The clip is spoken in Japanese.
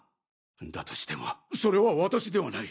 だとしてもそれは私ではない。